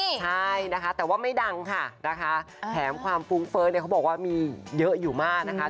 ใช่นะคะแต่ว่าไม่ดังค่ะนะคะแถมความฟุ้งเฟ้อเนี่ยเขาบอกว่ามีเยอะอยู่มากนะคะ